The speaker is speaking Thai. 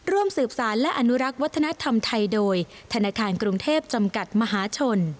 ร่วมสืบสารและอนุรักษ์วัฒนธรรมไทยโดยธนาคารกรุงเทพจำกัดมหาชน